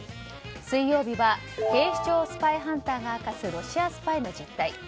水曜日は警視庁スパイハンターが明かすロシアスパイの実態。